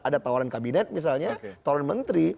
ada tawaran kabinet misalnya tawaran menteri